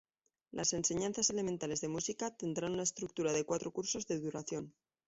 Las enseñanzas elementales de música, tendrán una estructura de cuatro cursos de Duración.